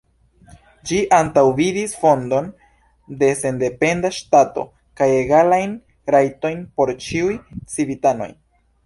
Ĝi antaŭvidis fondon de sendependa ŝtato kaj egalajn rajtojn por ĉiuj civitanoj.